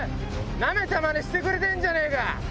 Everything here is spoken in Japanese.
ナメたマネしてくれてんじゃねえか！